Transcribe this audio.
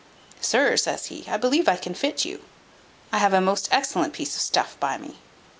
"Sir," says he, "I believe I can fit you. I have a most excellent piece of stuff by me.